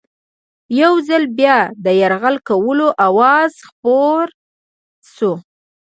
یو ځل بیا د یرغل کولو آوازه خپره شوه.